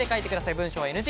文章はＮＧ。